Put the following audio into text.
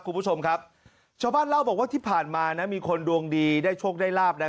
คุณผู้ชมครับชาวบ้านเล่าบอกว่าที่ผ่านมานะมีคนดวงดีได้โชคได้ลาบนะ